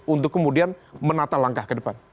untuk kemudian menata langkah ke depan